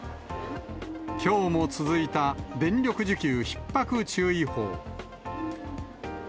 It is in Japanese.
きょうも続いた電力需給ひっ迫注意報。